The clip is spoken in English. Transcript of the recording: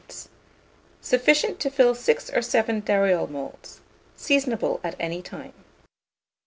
Sufficient to fill 6 or 7 dariole moulds. Seasonable at any time.